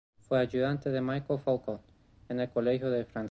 Fue ayudante de Michel Foucault en el Colegio de Francia.